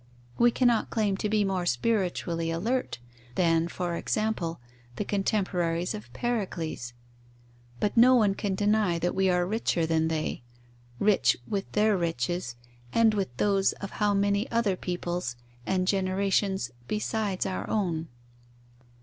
We cannot claim to be more spiritually alert than, for example, the contemporaries of Pericles; but no one can deny that we are richer than they rich with their riches and with those of how many other peoples and generations besides our own?